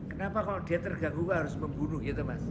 kenapa kalau dia terganggu harus membunuh gitu mas